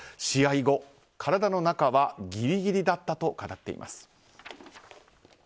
試合後、体の中はギリギリだったと語っています。